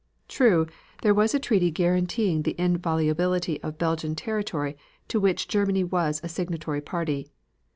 True, there was a treaty guaranteeing the inviolability of Belgian territory to which Germany was a signatory party.